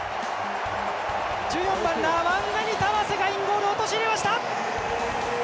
１４番、ナワンガニタワセがインゴール入れました！